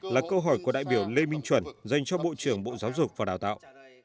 là câu hỏi của đại biểu lê minh chuẩn dành cho bộ trưởng bộ giáo dục và đào tạo